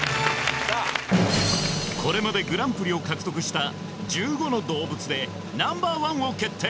きたこれまでグランプリを獲得した１５の動物でＮｏ．１を決定